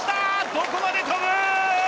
どこまで飛ぶー！